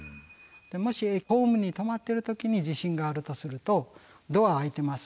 もしホームに止まってる時に地震があるとするとドア開いてます。